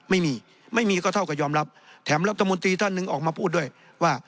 ไม่มีไม่มีก็เท่ากับยอมรับแถมรัฐมนตรีท่านหนึ่งออกมาพูดด้วยว่า